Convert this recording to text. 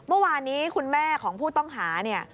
เมื่อวานนี้คุณแม่ของผู้ต้องหาเนี่ย